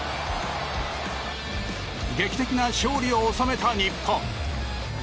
劇的な勝利を収めた日本。